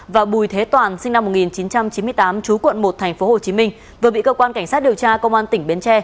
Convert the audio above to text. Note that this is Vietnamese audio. và bùi thế toàn sinh năm một nghìn chín trăm chín mươi tám chú quận một tp hcm vừa bị cơ quan cảnh sát điều tra công an tỉnh bến tre